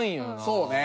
そうね！